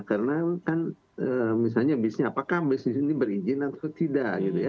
karena kan misalnya bisnisnya apakah bisnis ini berizin atau tidak gitu ya